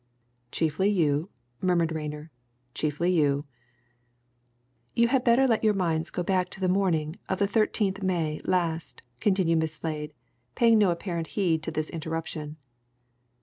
"Chiefly you," murmured Rayner, "chiefly you!" "You had better let your minds go back to the morning of the 13th May last," continued Miss Slade, paying no apparent heed to this interruption.